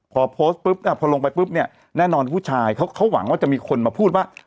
พอโพสต์ปุ๊บพอลงไปปุ๊บเนี่ยแน่นอนผู้ชายเขาหวังว่าจะมีคนมาพูดว่า